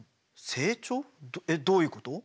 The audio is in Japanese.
えっどういうこと？